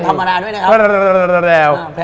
ทำมาราด้วยนะครับ